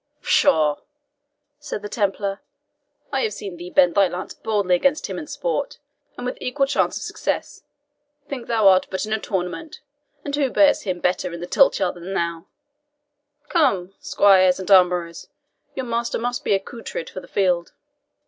"Pshaw," said the Templar, "I have seen thee bend thy lance boldly against him in sport, and with equal chance of success. Think thou art but in a tournament, and who bears him better in the tilt yard than thou? Come, squires and armourers, your master must be accoutred for the field."